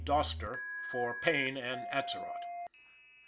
Doster for Payne and Atzerodt.